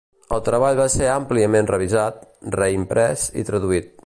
El treball va ser àmpliament revisat, reimprès i traduït.